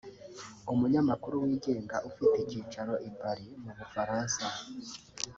umunyamakuru wigenga ufite ikicaro i Paris mu Bufaransa